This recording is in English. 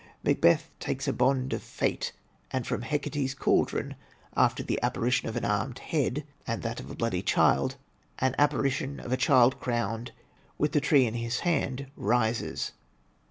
Macbeth takes a bond of fate, and from Hecate's caldron, after the apparition of an armed head and that of a bloody child, 'an apparition of a child crowned, with a tree in his hand, rises.'